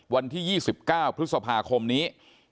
วันที่๒๙พฤษภาคมนี้